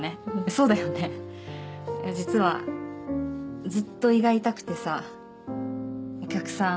そうだよね実はずっと胃が痛くてさお客さん